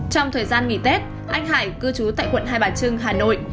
trong thời gian nghỉ tết anh hải cư trú tại quận hai bà trưng hà nội